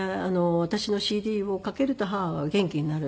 私のＣＤをかけると母は元気になるので。